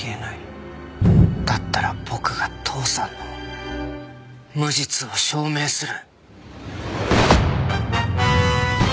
だったら僕が父さんの無実を証明する！